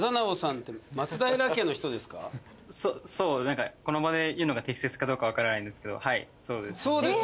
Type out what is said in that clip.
そうこの場で言うのが適切かどうかわからないんですけどはいそうです。